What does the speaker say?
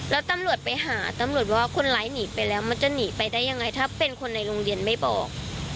แล้วตำรวจไปหาตำรวจว่าคนร้ายหนีไปแล้วมันจะหนีไปได้ยังไงถ้าเป็นคนในโรงเรียนไม่บอก